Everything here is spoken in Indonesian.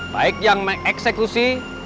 baik yang mengeksekusi